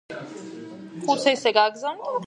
ლი ნო მაგარი ადამიანია